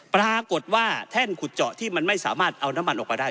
ปรากฏว่าแท่นขุดเจาะที่มันไม่สามารถเอาน้ำมันออกมาได้